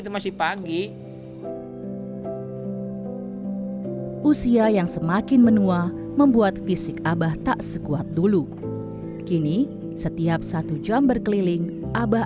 masih pagi usia yang semakin menua membuat fisik abah tak sekuat dulu kini setiap satu jam berkeliling abah